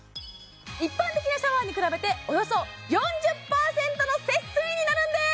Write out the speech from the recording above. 一般的なシャワーに比べておよそ４０％の節水になるんです！